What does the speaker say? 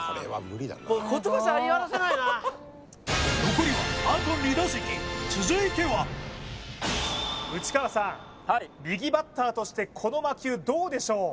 残りはあと２打席続いては内川さん右バッターとしてこの魔球どうでしょう？